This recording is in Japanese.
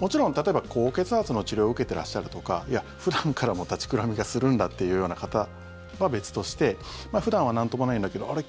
もちろん、例えば高血圧の治療を受けてらっしゃるとか普段からも立ちくらみがするんだっていうような方は別として普段はなんともないんだけどあれ？